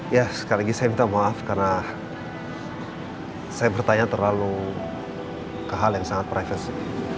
ya sekali lagi saya minta maaf karena saya bertanya terlalu ke hal yang sangat privasi